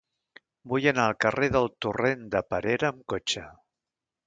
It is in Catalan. Vull anar al carrer del Torrent de Perera amb cotxe.